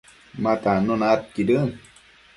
ma tannuna aidquidën